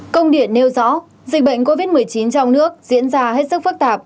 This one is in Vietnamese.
công điện nêu rõ dịch bệnh covid một mươi chín trong nước diễn ra hết sức phức tạp